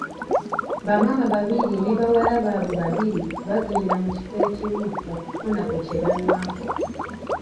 Bamaama babiri ne bawala baabwe babiri bagenda mu kifo ekimu okufuna ku kye banywako.